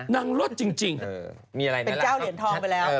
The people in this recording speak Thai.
เป็นเจ้าเหรียญทองไปแล้ว